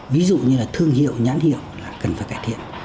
ví dụ như là thương hiệu nhãn hiệu là cần phải cải thiện